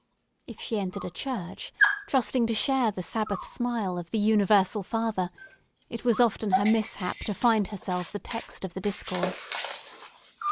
If she entered a church, trusting to share the Sabbath smile of the Universal Father, it was often her mishap to find herself the text of the discourse.